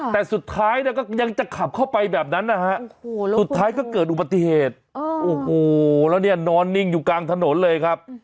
แต่สุดท้ายเนี่ยก็ยังจะขับเข้าไปแบบนั้นนะฮะสุดท้ายก็เกิดอุบัติเหตุโอ้โหแล้วเนี่ยนอนนิ่งอยู่กลางถนนเลยครับ